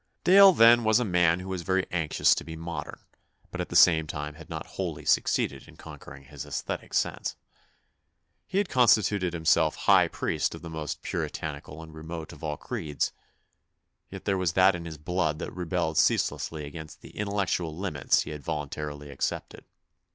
Dale, then, was a man who was very anxious to be modern, but at the same time had not wholly succeeded in conquering his aesthetic sense. He had constituted himself high priest of the most puritanical and remote of all creeds, yet there was that in his blood that rebelled ceaselessly against the intel THE BIOGEAPHY OF A SUPERMAN 233 lectual limits he had voluntarily accepted.